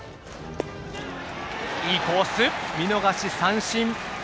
いいコース、見逃し三振。